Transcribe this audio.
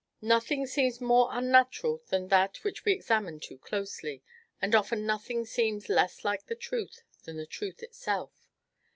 Nothing seems more unnatural than that which we examine too closely, and often nothing seems less like the truth than the truth itself.